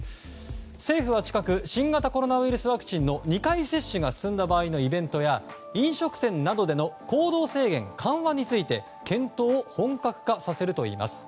政府は近く新型コロナウイルスワクチンの２回接種が進んだ場合のイベントや飲食店などでの行動制限緩和について検討を本格化させるといいます。